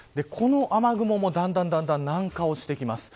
この雨雲もだんだん南下してきます。